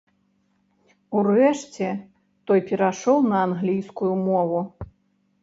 Урэшце той перайшоў на англійскую мову.